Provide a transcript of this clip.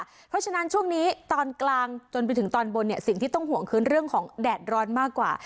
เพราะฉะนั้นช่วงนี้ตอนกลางจนไปถึงตอนบนเนี่ยสิ่งที่ต้องห่วงคือเรื่องของแดดร้อนมากกว่า